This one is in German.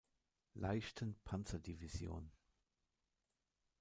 Leichten Panzerdivision.